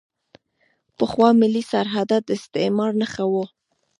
پخوا ملي سرحدات د استعمار نښه وو.